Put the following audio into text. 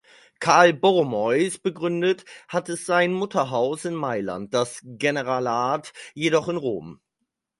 Karl Borromäus begründet, hat es sein Mutterhaus in Mailand, das Generalat jedoch in Rom.